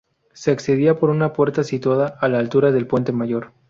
Se accedía por una puerta situada a la altura del puente mayor.